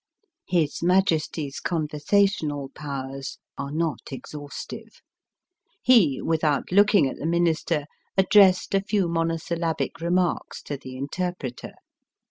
His Majesty's conversational powers are not exhaustive. He, without look ing at the Minister, addressed a few mono syllabic remarks to the interpreter.